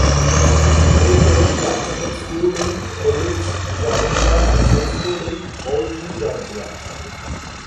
Later, she attended school in Coolidge, Georgia, and high school in Moultrie, Georgia.